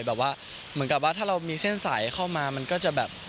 แบบว่าเหมือนกับว่าถ้าเรามีเส้นสายเข้ามามันก็จะแบบ